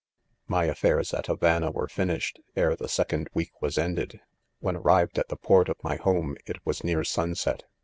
u lfy affairs at Havana were finished, ere the second week was ended". When arrived at the port of my home, it was near sunset.